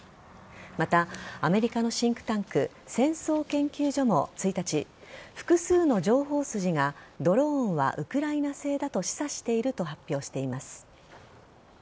また、アメリカのシンクタンク戦争研究所も１日複数の情報筋がドローンはウクライナ製だと示唆していると発表しています。